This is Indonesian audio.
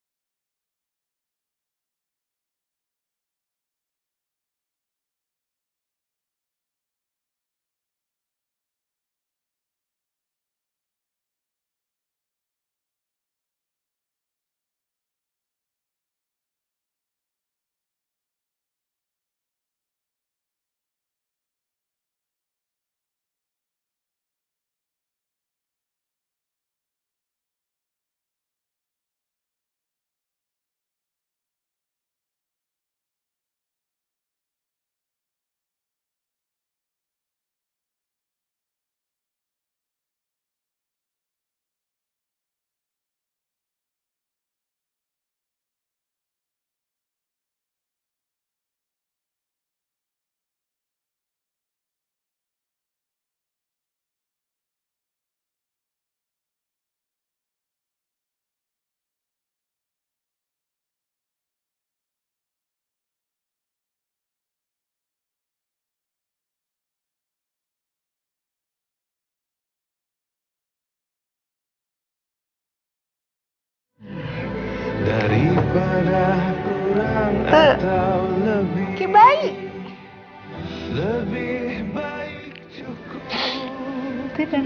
percaya sama aku kan